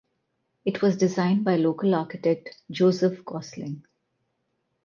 It was designed by local architect Joseph Gosling.